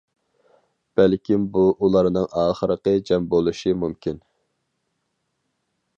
بەلكىم بۇ ئۇلارنىڭ ئاخىرقى جەم بولۇشى مۇمكىن.